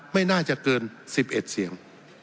ไม่น่าจะเกิน๑๑เสียง